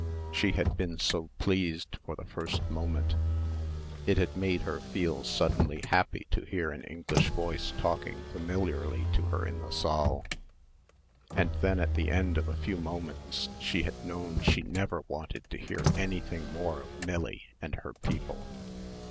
She had been so pleased for the first moment. It had made her feel suddenly happy to hear an English voice talking familiarly to her in the saal. And then at the end of a few moments she had known she never wanted to hear anything more of Millie and her people.